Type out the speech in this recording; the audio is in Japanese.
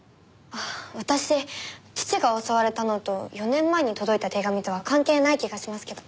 私父が襲われたのと４年前に届いた手紙とは関係ない気がしますけど。